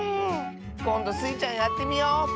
こんどスイちゃんやってみよう！